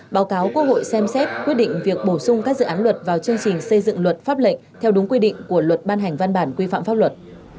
báo cáo quốc hội xem xét quyết định việc bổ sung các dự án luật vào chương trình xây dựng luật pháp lệnh theo đúng quy định của luật ban hành văn bản quy phạm pháp luật